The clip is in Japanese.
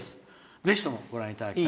ぜひともご覧いただきたい。